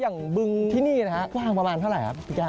อย่างบึงที่นี่นะครับความประมาณเท่าไหร่ครับพี่แจ้ม